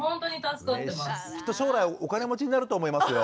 きっと将来お金持ちになると思いますよ。